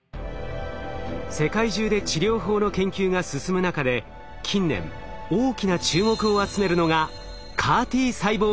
世界中で治療法の研究が進む中で近年大きな注目を集めるのがＣＡＲ−Ｔ細胞。